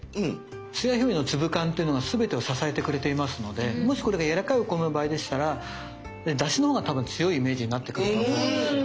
つや姫の粒感っていうのが全てを支えてくれていますのでもしこれがやわらかいお米の場合でしたらだしのほうが多分強いイメージになってくると思うんですよ。